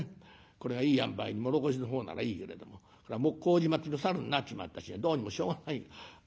これがいいあんばいに唐土の方ならいいけれども麹町のサルになっちまった日にはどうにもしょうがない。